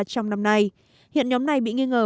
trong năm nay hiện nhóm này bị nghi ngờ